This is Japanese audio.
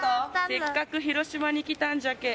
「せっかく広島に来たんじゃけ」